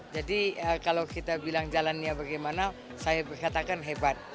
jadi kalau kita bilang jalannya bagaimana saya berkatakan hebat